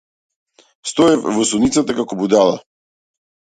Стоев во судницата како будала.